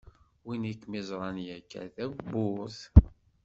Win i kem-iẓranyekka tawwurt.